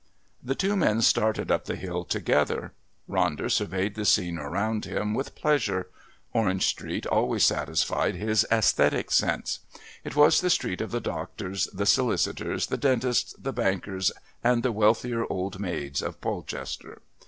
The two men started up the hill together. Ronder surveyed the scene around him with pleasure. Orange Street always satisfied his aesthetic sense. It was the street of the doctors, the solicitors, the dentists, the bankers, and the wealthier old maids of Polchester.